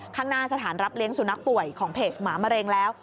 ข้างหน้าสถานรับเลี้ยงสุนัขป่วยของเพจหมามะเร็งแล้ว